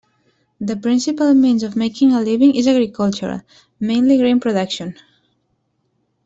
The principal means of making a living is agricultural, mainly grain production.